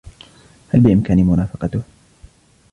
هل بإمكاني مرافقته؟